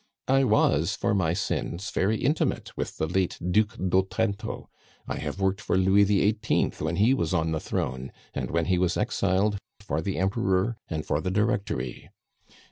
"I was, for my sins, very intimate with the late Duc d'Otranto; I have worked for Louis XVIII. when he was on the throne; and, when he was exiled, for the Emperor and for the Directory.